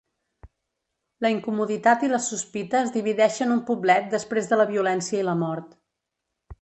La incomoditat i les sospites divideixen un poblet després de la violència i la mort.